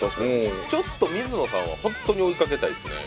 ちょっと水野さんはホントに追いかけたいですね